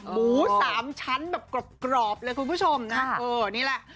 หมู๓ชั้นแบบกรอบเลยคุณผู้ชมนี่แหละ